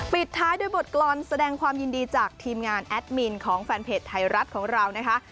ปิดท้ายด้วยบทกรรมแสดงความยินดีจากทีมงานแอดมินของแฟนเพจไทยรัฐของเรานะคะ